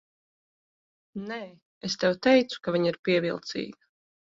Nē, es tev teicu, ka viņa ir pievilcīga.